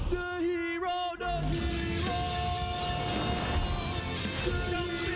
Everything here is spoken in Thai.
ทุกคนทุกคน